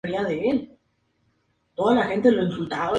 Más tarde esa noche, Craig y su novia, Karen, irrumpen en el domo.